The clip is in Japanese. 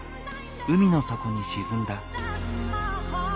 海の底に沈んだ。